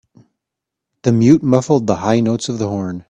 The mute muffled the high tones of the horn.